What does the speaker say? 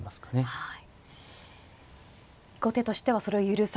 はい。